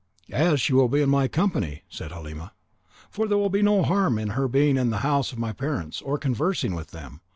"As she will be in my company," said Halima, "there will be no harm in her being in the house of my parents, or conversing with them.